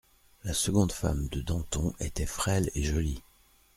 La seconde femme de Danton était frêle et jolie.